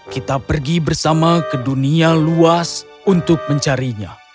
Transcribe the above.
kita pergi bersama ke dunia luas untuk mencarinya